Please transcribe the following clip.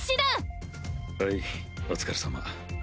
はいお疲れさま。